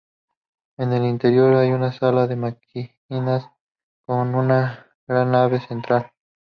En el interior hay una sala de máquinas con una gran nave central.